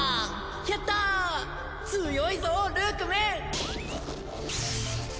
やった強いぞルークメン！